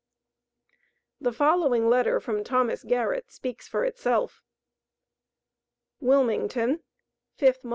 The following letter from Thomas Garrett speaks for itself: WILMINGTON, 5 mo.